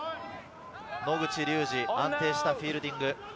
野口竜司、安定したフィールディング。